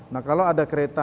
nah kalau ada kereta